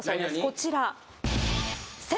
こちら。